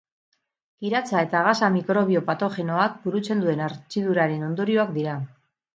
Kiratsa eta gasa mikrobio patogenoak burutzen duen hartziduraren ondorioak dira.